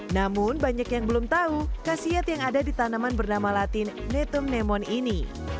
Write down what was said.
namun banyak yang belum tahu kasiat yang ada di tanaman bernama latin netum nemon ini